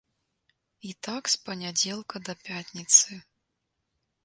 І так з панядзелка да пятніцы.